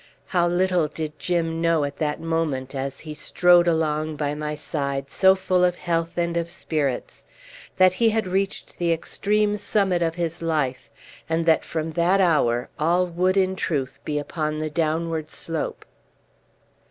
How little did Jim know at that moment, as he strode along by my side so full of health and of spirits, that he had reached the extreme summit of his life, and that from that hour all would, in truth, be upon the downward slope!